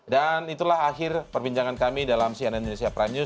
dan itulah akhir perbincangan kami dalam cnn indonesia prime news